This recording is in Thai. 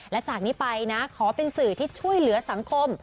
และจากนี้ไปนะขอเป็นสื่อที่ช่วยเหลือสังคม